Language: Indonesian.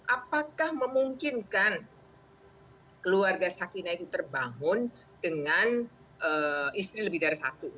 apakah memungkinkan keluarga sakina itu terbangun dengan istri lebih dari satu